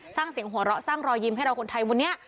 สร้างเสียงหัวเราะสร้างรอยยิ้มให้เราคนไทยวันนี้